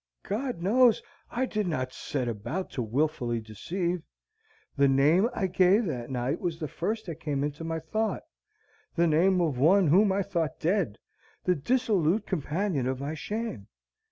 "God knows I did not set about to wilfully deceive. The name I gave that night was the first that came into my thought, the name of one whom I thought dead, the dissolute companion of my shame.